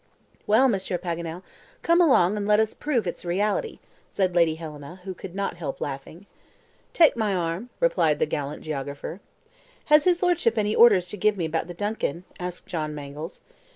"Well, Monsieur Paganel, come along and let us prove its reality," said Lady Helena, who could not help laughing. "Take my arm," replied the gallant geographer. "Has his Lordship any orders to give me about the DUNCAN?" asked John Mangles.